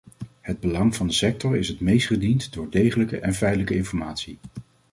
Het belang van de sector is het meest gediend door degelijke en feitelijke informatie.